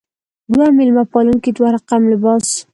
دوه میلمه پالونکې دوه رقم لباس.